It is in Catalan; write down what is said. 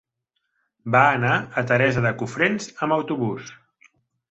Va anar a Teresa de Cofrents amb autobús.